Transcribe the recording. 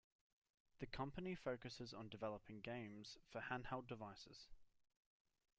The company focuses on developing games for handheld devices.